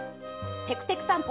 「てくてく散歩」